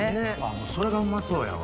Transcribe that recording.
もうそれがうまそうやわ。